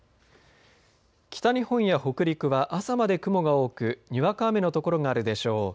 北日本や北陸は朝まで雲が多くにわか雨の所があるでしょう。